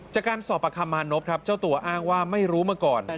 จากการสอบประคำมานพครับเจ้าตัวอ้างว่าไม่รู้มาก่อน